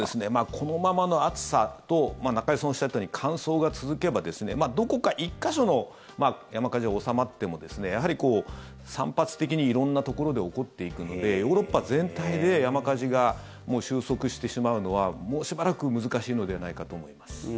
このままの暑さと中居さんがおっしゃったように乾燥が続けばどこか１か所の山火事が収まってもやはり散発的に色んなところで起こっていくのでヨーロッパ全体で山火事が収束してしまうのはもうしばらく難しいのではないかと思います。